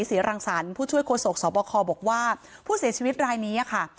ศรีรังสรรค์ผู้ช่วยโฆษกสบคบอกว่าผู้เสียชีวิตรายนี้ค่ะ